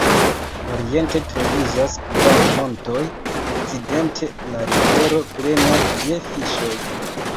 Oriente troviĝas kvar montoj, okcidente la rivero plena je fiŝoj.